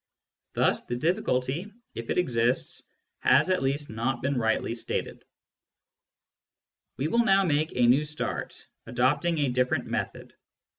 Thus the difficulty, if it exists, has at least not been rightly stated. We will now make a new start, adopting a different method.